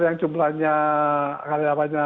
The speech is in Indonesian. yang jumlahnya karyawannya